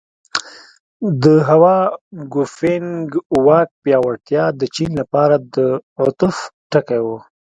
د هوا ګوفینګ واک پیاوړتیا د چین لپاره د عطف ټکی و.